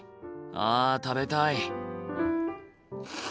あ食べたい。